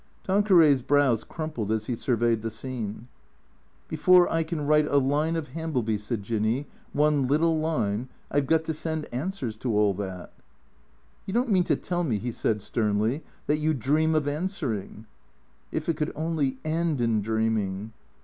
Tanqueray's brows crumpled as he surveyed the scene. " Before I can write a line of Hambleby," said Jinny —" one little line — I 've got to send answers to all that." " You don't mean to tell me," he said sternly, " that you dream of answering ?"" If it could only end in dreaming."